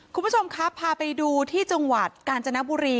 คุณผู้ชมครับพาไปดูที่จังหวัดกาญจนบุรี